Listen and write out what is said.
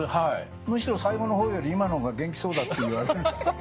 むしろ最後の方より今の方が元気そうだって言われる。